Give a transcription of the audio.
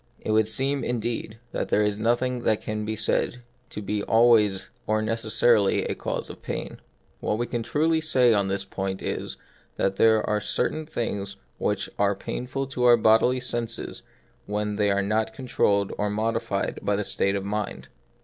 It would seem, indeed, that there is nothing that can be said to be always or necessarily a cause of pain. What we can truly say on this point is, that there are certain things which are painful to our bodily senses when these are not controlled or modified by the state of the mind.